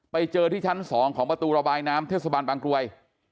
ไปเจอที่ชั้น๒ของประตูระบายน้ำเทศบาลบางกรวย